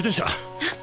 はっ！